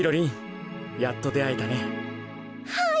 はい！